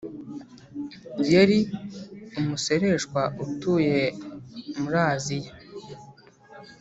Yeri umusoreshwa utuye muraziya.